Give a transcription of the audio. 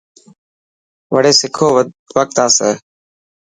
وڙي سکو وقت آسي.